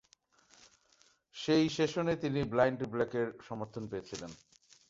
সেই সেশনে তিনি ব্লাইন্ড ব্লেকের সমর্থন পেয়েছিলেন।